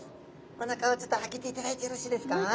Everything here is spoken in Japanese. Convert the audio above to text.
おなかをちょっと開けていただいてよろしいですか？